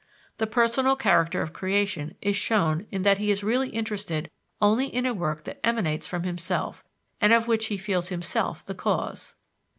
The personal character of creation is shown in that he is really interested only in a work that emanates from himself and of which he feels himself the cause.